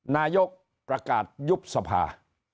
นายกประกาศยุบสภา